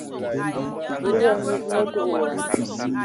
Budugi mis, mə dug wa.